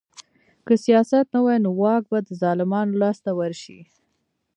که سیاست نه وي نو واک به د ظالمانو لاس ته ورشي